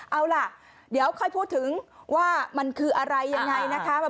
เอาล่ะเดี๋ยวใครพูดถึงว่ามันคืออะไรยังไง